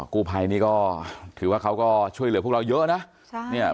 กู้ภัยนี่ก็ถือว่าเขาก็ช่วยเหลือพวกเราเยอะนะ